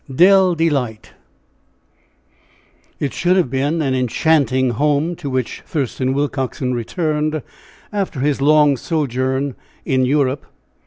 DELL DELIGHT It should have been an enchanting home to which Thurston Willcoxen returned after his long sojourn in Europe.